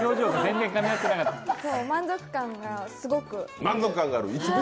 満足感がすごく。